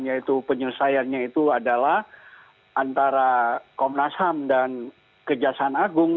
yaitu penyelesaiannya itu adalah antara komnas ham dan kejaksaan agung